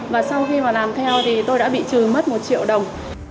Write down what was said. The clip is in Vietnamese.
và sau khi mà làm theo thì tôi đã bị trừ mất một triệu đồng